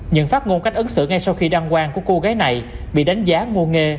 những phát ngôn cách ứng xử ngay sau khi đăng quan của cô gái này bị đánh giá ngu ngê